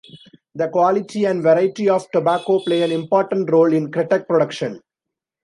The quality and variety of tobacco play an important role in kretek production.